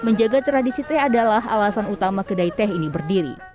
menjaga tradisi teh adalah alasan utama kedai teh ini berdiri